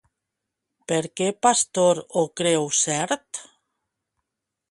Per què Pastor ho creu cert?